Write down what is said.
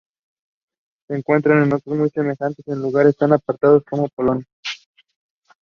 Se encuentran otros muy semejantes en lugares tan apartados como Polonia.